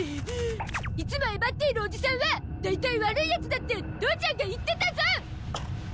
いつもえばっているおじさんは大体悪いヤツだって父ちゃんが言ってたゾ！